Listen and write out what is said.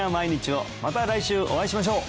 また来週お会いしましょう！